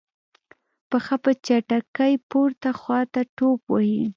پښه په چټکۍ پورته خواته ټوپ وهي.